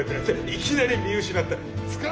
いきなり見失った。